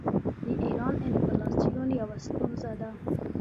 د ایران انفلاسیون یوه ستونزه ده.